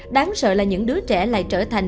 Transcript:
đáng sợ là những đứa trẻ lại trở thành